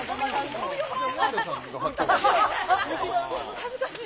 恥ずかしい。